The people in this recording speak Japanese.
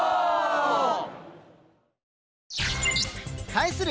対する